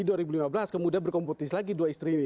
di dua ribu lima belas kemudian berkompetisi lagi dua istri ini